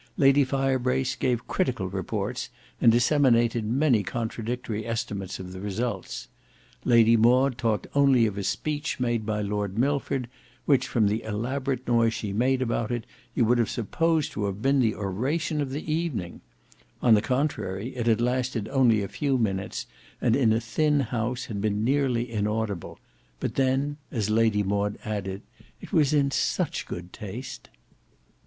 Lady Firebrace gave critical reports and disseminated many contradictory estimates of the result; Lady Maud talked only of a speech made by Lord Milford, which from the elaborate noise she made about it, you would have supposed to have been the oration of the evening; on the contrary, it had lasted only a few minutes and in a thin house had been nearly inaudible; but then, as Lady Maud added, "it was in such good taste!"